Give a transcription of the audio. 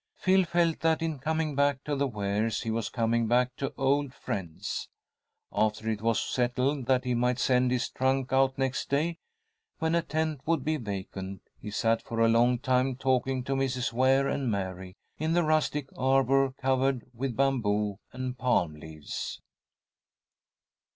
Phil felt that in coming back to the Wares he was coming back to old friends. After it was settled that he might send his trunk out next day, when a tent would be vacant, he sat for a long time talking to Mrs. Ware and Mary, in the rustic arbour covered with bamboo and palm leaves.